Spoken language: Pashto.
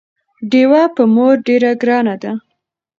ډيوه په مور ډېره ګرانه ده